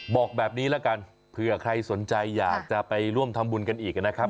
บอกแบบนี้ละกันเผื่อใครสนใจอยากจะไปร่วมทำบุญกันอีกนะครับ